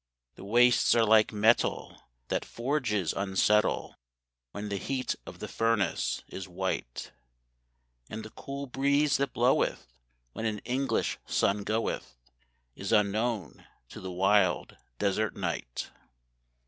The wastes are like metal that forges unsettle When the heat of the furnace is white; And the cool breeze that bloweth when an English sun goeth, Is unknown to the wild desert night.